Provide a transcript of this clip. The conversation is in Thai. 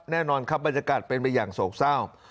แน่นอนครับบรรยากาศเป็นไปอย่างโศกเศร้า